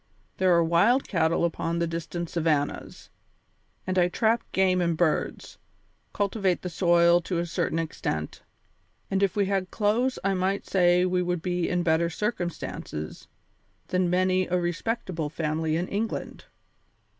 There are wild cattle upon the distant savannas, and I trap game and birds, cultivate the soil to a certain extent, and if we had clothes I might say we would be in better circumstances than many a respectable family in England.